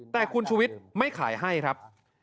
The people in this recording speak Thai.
แต่คุณชุวิตไม่ขายให้ครับ